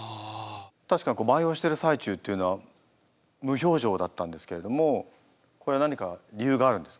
確か舞をしてる最中っていうのは無表情だったんですけれどもこれ何か理由があるんですか？